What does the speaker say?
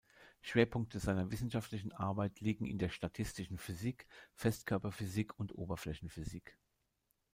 Schwerpunkte seiner wissenschaftlichen Arbeit liegen in der statistischen Physik, Festkörperphysik und Oberflächenphysik.